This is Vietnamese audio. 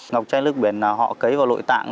ngọc chai nước biển họ cấy vào nội tạng